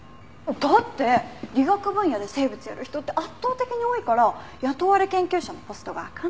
だって理学分野で生物やる人って圧倒的に多いから雇われ研究者のポストが空かないのよ。